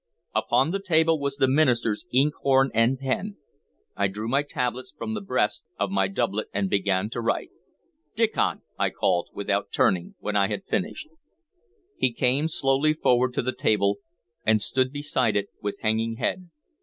Upon the table was the minister's inkhorn and pen. I drew my tablets from the breast of my doublet and began to write. "Diccon!" I called, without turning, when I had finished. He came slowly forward to the table, and stood beside it with hanging head.